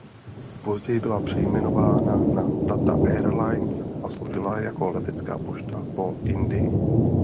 Později byla přejmenována na "Tata Airlines" a sloužila jako letecká pošta po Indii.